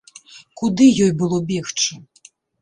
Куды ёй было бегчы.